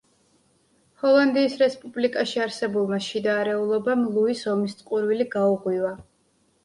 ჰოლანდიის რესპუბლიკაში არსებულმა შიდა არეულობამ ლუის ომის წყურვილი გაუღვივა.